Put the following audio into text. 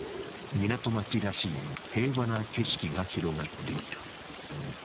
港町らしい平和な景色が広がっている。